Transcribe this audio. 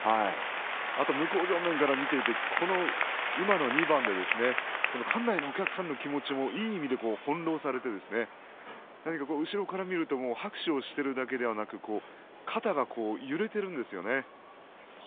あと向正面から見ていて今の２番で館内のお客さんの気持ちもいい意味で翻弄されて何か後ろから見ると拍手をしているだけではなく肩が揺れているんですよね。